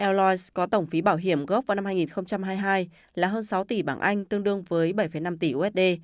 airlines có tổng phí bảo hiểm gốc vào năm hai nghìn hai mươi hai là hơn sáu tỷ bảng anh tương đương với bảy năm tỷ usd